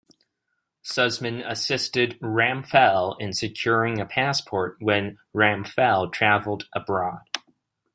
Suzman assisted Ramphele in securing a passport when Ramphele travelled abroad.